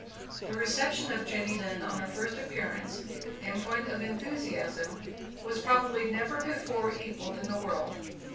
The reception of Jenny Lind on her first appearance, in point of enthusiasm, was probably never before equalled in the world.